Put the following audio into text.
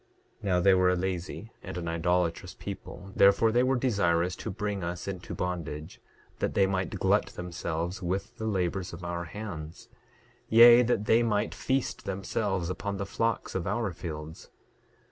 9:12 Now they were a lazy and an idolatrous people; therefore they were desirous to bring us into bondage, that they might glut themselves with the labors of our hands; yea, that they might feast themselves upon the flocks of our fields.